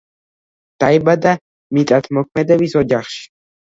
დაიბადა მიწათმოქმედების ოჯახში.